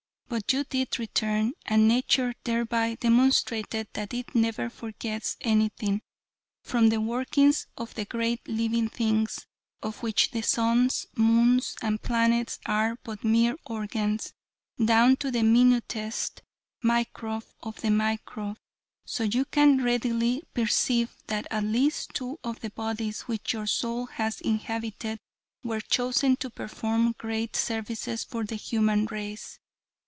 But you did return, and nature thereby demonstrated that it never forgets anything, from the workings of the great living things of which the suns, moons and planets are but mere organs, down to the minutest microbe of the microbe. So you can readily perceive that at least two of the bodies which your soul has inhabited were chosen to perform great services for the human race.